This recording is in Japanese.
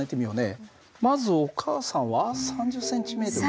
まずお母さんは３０ｃｍだったね。